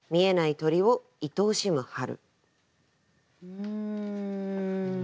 うん。